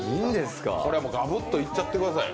これはガブッといっちゃってください。